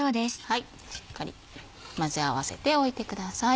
しっかり混ぜ合わせておいてください。